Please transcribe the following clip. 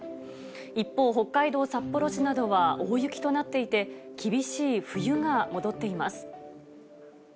一方、北海道札幌市などは大雪となっていて、厳しい冬が戻っています。